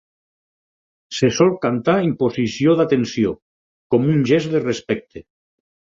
Se sol cantar en posició d'atenció, com un gest de respecte.